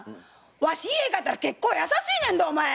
わし家帰ったら結構優しいねんどお前。